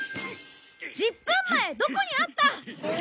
１０分前どこにあった！